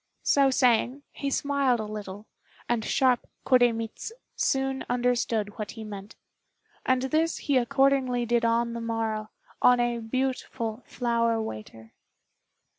So saying, he smiled a little, and sharp Koremitz soon understood what he meant. And this he accordingly did on the morrow, on a beautiful flower waiter.